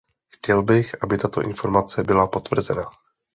Chtěl bych, aby tato informace byla potvrzena.